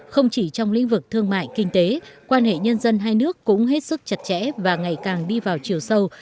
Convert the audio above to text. không chỉ trong lĩnh vực thương mại kinh tế quan hệ nhân dân hai nước cũng hết sức chặt chẽ và ngày càng đi vào chiều sâu